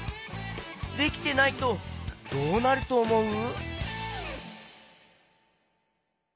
できてないとどうなるとおもう？